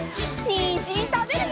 にんじんたべるよ！